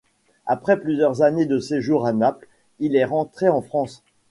Après plusieurs années de séjour à Naples, il est rentré en France.